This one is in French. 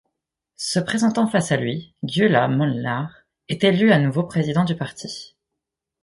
Se présentant face à lui, Gyula Molnár est élu nouveau président du parti.